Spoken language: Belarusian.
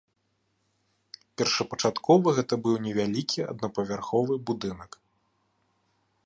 Першапачаткова гэта быў невялікі аднапавярховы будынак.